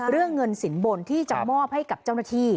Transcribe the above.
เรื่องเงินสินบนที่จะมอบให้กับเจ้าหน้าที่